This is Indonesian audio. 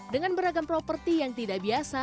dengan beragam properti yang tidak biasa